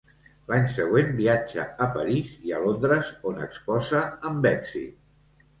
L'any següent viatja a París i a Londres, on exposa amb èxit.